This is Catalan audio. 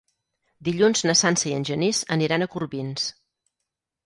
Dilluns na Sança i en Genís aniran a Corbins.